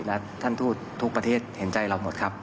แล้วทุกประเทศเห็นใจเราหมดครับ